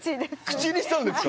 口にしたんですか？